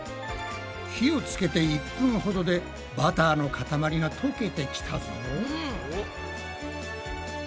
火をつけて１分ほどでバターのかたまりがとけてきたぞ。